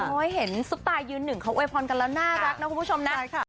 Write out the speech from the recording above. เห็นซุปตายืนหนึ่งเขาโวยพรกันแล้วน่ารักนะคุณผู้ชมนะ